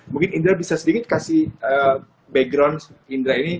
mungkin indra bisa sedikit kasih background indra ini